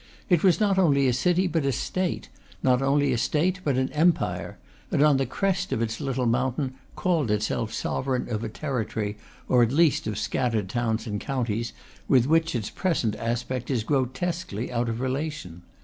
It was not only a city, but a state; not only a state, but an empire; and on the crest of its little mountain called itself sovereign of a territory, or at least of scattered towns and counties, with which its present aspect is grotesquely out of relation.